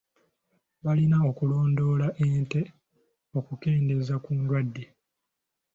Balina okulondoola ente okukendeeza ku ndwadde.